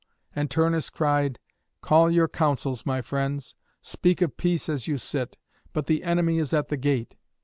And Turnus cried, "Call your councils, my friends, speak of peace as you sit. But the enemy is at the gate."